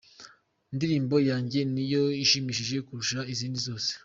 ndirimbo yanjye niyo inshimishije kurusha izindi zose.